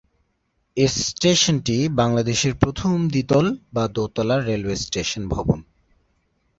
এই স্টেশনটি বাংলাদেশের প্রথম দ্বিতল বা দোতলা রেলওয়ে স্টেশন ভবন।